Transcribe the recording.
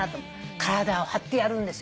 体を張ってやるんですよ